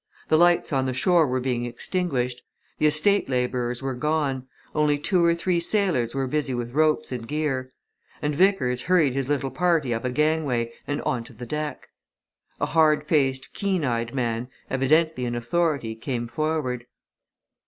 The lights on the shore were being extinguished; the estate labourers were gone; only two or three sailors were busy with ropes and gear. And Vickers hurried his little party up a gangway and on to the deck. A hard faced, keen eyed, man, evidently in authority, came forward.